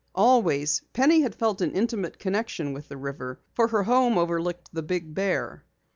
Always Penny had felt an intimate connection with the river, for her home overlooked the Big Bear.